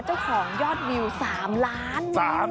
เจ้าของยอดวิว๓ล้านบาท